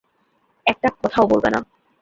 একটা কথাও বলবে না।